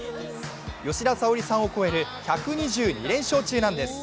吉田沙保里さんを超える１２２連勝中なんです。